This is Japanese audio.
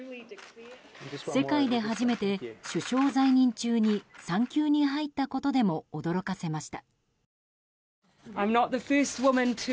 世界で初めて、首相在任中に産休に入ったことでも驚かせました。